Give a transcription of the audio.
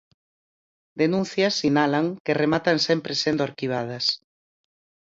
Denuncias, sinalan, "que rematan sempre sendo arquivadas".